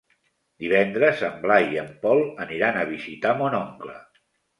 Divendres en Blai i en Pol aniran a visitar mon oncle.